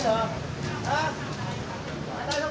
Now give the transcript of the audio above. โหยจะชู